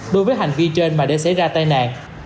đi trên mà để xảy ra tai nạn